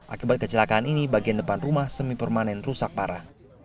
akibat kecelakaan ini bagian depan rumah semi permanen rusak parah